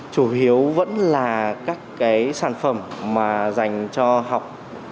chủ yếu vẫn là các cái sản phẩm mà dành cho học